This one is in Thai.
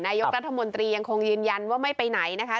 นายกรัฐมนตรียังคงยืนยันว่าไม่ไปไหนนะคะ